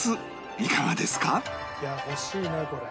いや欲しいねこれ。